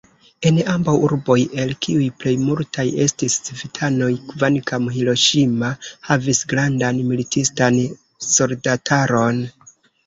En ambaŭ urboj, el kiuj plejmultaj estis civitanoj, kvankam Hiroŝima havis grandan militistan soldataron.